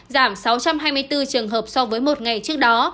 giảm sáu trăm hai mươi bốn trường hợp so với một ngày trước đó